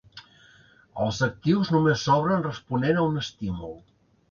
Els actius només s'obren responent a un estímul.